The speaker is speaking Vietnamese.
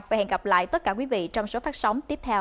và hẹn gặp lại tất cả quý vị trong số phát sóng tiếp theo